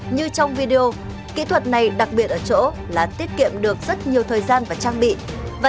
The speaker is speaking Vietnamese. như trong video kỹ thuật này đặc biệt ở chỗ là tiết kiệm được rất nhiều thời gian và trang bị và